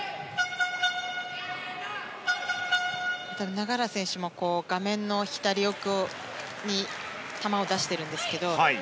永原選手も画面の左横に球を出しているんですけども。